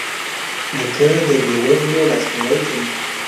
نیکه د بې وزلو لاسنیوی کوي.